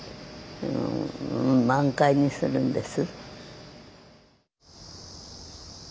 満開にするんです。